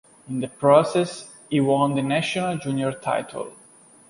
In the process he won the national junior title.